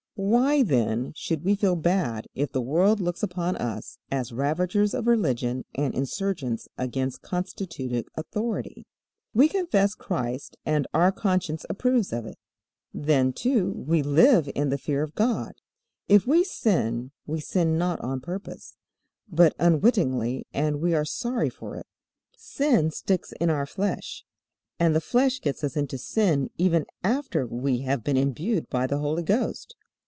Why, then, should we feel bad if the world looks upon us as ravagers of religion and insurgents against constituted authority? We confess Christ and our conscience approves of it. Then, too, we live in the fear of God. If we sin, we sin not on purpose, but unwittingly, and we are sorry for it. Sin sticks in our flesh, and the flesh gets us into sin even after we have been imbued by the Holy Ghost.